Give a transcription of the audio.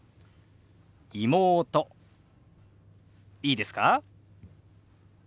いいですか？